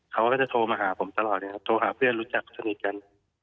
เขาก็จะโทรมาหาผมตลอดนะครับโทรหาเพื่อนรู้จักสนิทกัน